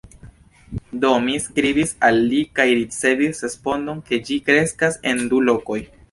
Do, mi skribis al li kaj ricevis respondon, ke ĝi kreskas en du lokoj.